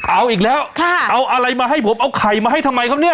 เอาอีกแล้วเอาอะไรมาให้ผมเอาไข่มาให้ทำไมครับเนี่ย